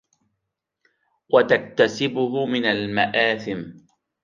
وَتَكْتَسِبُهُ مِنْ الْمَآثِمِ